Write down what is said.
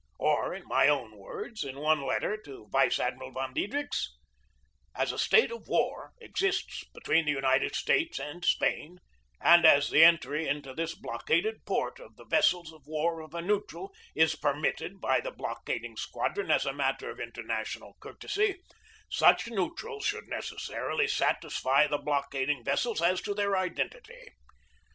Or, in my own words, in one letter to Vice Admiral von Diedrichs: "As a state of war exists between the United States and Spain, and as the entry into this block aded port of the vessels of war of a neutral is per 1 Appendix F. 266 GEORGE DEWEY mitted by the blockading squadron as a matter of international courtesy, such neutrals should neces sarily satisfy the blockading vessels as to their iden tity.